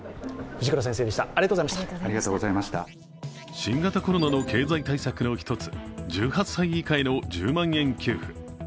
新型コロナの経済対策の一つ、１８歳以下への１０万円給付。